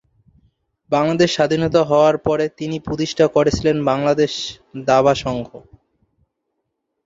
বাংলাদেশ স্বাধীন হওয়ার পরে তিনি প্রতিষ্ঠা করেছিলেন বাংলাদেশ দাবা সংঘ।